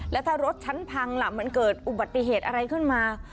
แล้วถ้ารถฉันพังล่ะมันเกิดอุบัติเหตุอะไรขึ้นมา